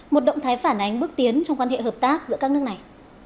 một động thái phản ánh bước tiến trong quan hệ hợp tác giữa các nước này